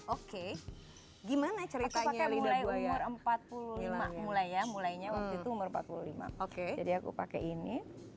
oke gimana ceritanya lidah buaya empat puluh lima mulai ya mulainya waktu itu empat puluh lima oke jadi aku pakai ini